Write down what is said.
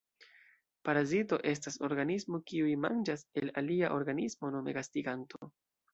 Parazito estas organismo kiuj manĝas el alia organismo, nome gastiganto.